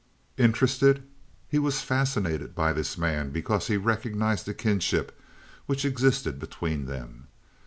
Interested? He was fascinated by this man because he recognized the kinship which existed between them.